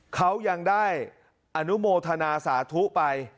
เขายังได้อนุโมทนาสาธุไป